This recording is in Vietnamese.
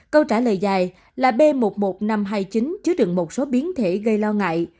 câu trả lời dài là b một mươi một nghìn năm trăm hai mươi chín chứa đựng một số biến thể gây lo ngại